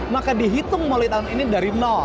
maka dihitung mulai tahun ini dari nol